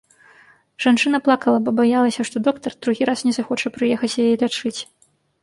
Жанчына плакала, бо баялася, што доктар другі раз не захоча прыехаць яе лячыць.